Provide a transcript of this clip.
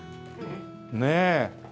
ねえ。